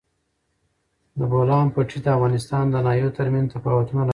د بولان پټي د افغانستان د ناحیو ترمنځ تفاوتونه رامنځ ته کوي.